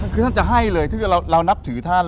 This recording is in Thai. คือท่านจะให้เลยที่เรานับถือท่าน